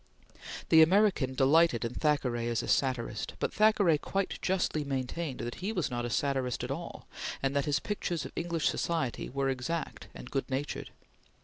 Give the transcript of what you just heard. The American delighted in Thackeray as a satirist, but Thackeray quite justly maintained that he was not a satirist at all, and that his pictures of English society were exact and good natured.